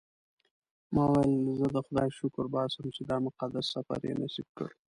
ما وویل زه د خدای شکر باسم چې دا مقدس سفر یې نصیب کړ.